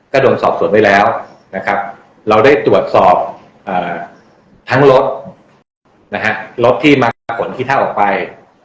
ก็โดนสอบสวนไว้แล้วเราได้ตรวจสอบทั้งรถที่มาผลคี่เท่าออกไป